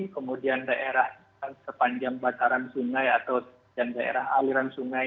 kemudian daerah sepanjang bataran sungai atau dan daerah aliran sungai